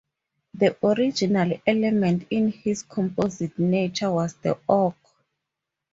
The original element in his composite nature was the oak.